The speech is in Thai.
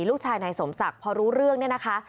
ลูกชายนายสมศักดิ์พอรู้เรื่องเนี่ยนะคะ